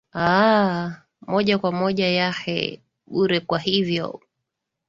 aa moja kwa moja yehee bure kwa hivyo